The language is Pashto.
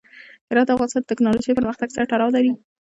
هرات د افغانستان د تکنالوژۍ پرمختګ سره تړاو لري.